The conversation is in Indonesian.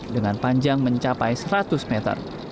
dengan panjang mencapai seratus meter